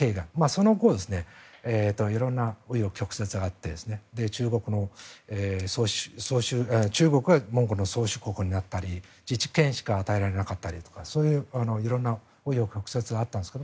その後、色んな紆余曲折があって中国がモンゴルの宗主国になったり自治権しか与えられなかったりとかそういう色んな紆余曲折があったんですが